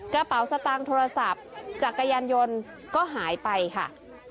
กระเป๋าสตางค์โทรศัพท์จักรยานยนต์ก็หายไปค่ะ